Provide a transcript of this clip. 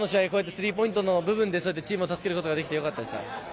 スリーポイントの部分でチームを助けることができて良かったです。